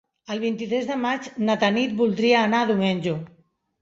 El vint-i-tres de maig na Tanit voldria anar a Domenyo.